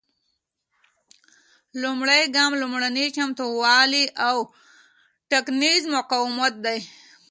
لومړی ګام لومړني چمتووالي او ټاکنیز مقاومت دی.